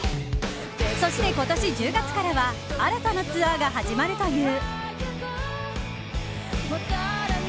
そして今年１０月からは新たなツアーが始まるという。